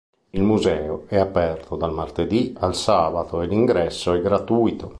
Il museo è aperto dal martedì al sabato e l'ingresso è gratuito.